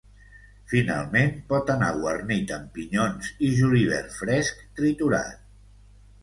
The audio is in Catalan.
Finalment, pot anar guarnit amb pinyons i julivert fresc triturat.